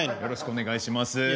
よろしくお願いします。